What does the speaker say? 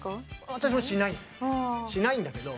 私もしないんだよね。